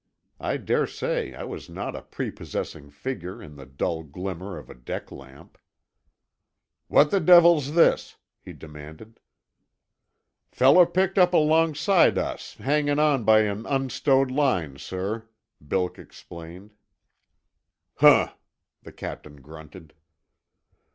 I daresay I was not a prepossessing figure in the dull glimmer of a deck lamp. "What the devil's this?" he demanded. "Feller picked up alongside us, hangin' on by an unstowed line, sir." Bilk explained. "Huh!" the captain grunted.